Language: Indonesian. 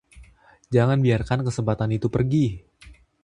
Jangan biarkan kesempatan itu pergi.